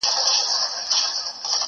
چي دي غوښتل هغه تللي دي له وخته!.